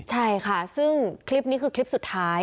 ใช่ค่ะซึ่งคลิปนี้คือคลิปสุดท้าย